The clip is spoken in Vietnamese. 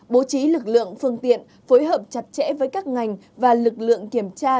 bố trí lực lượng phương tiện phối hợp chặt chẽ với các ngành và lực lượng kiểm tra